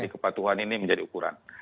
jadi kepatuhan ini menjadi ukuran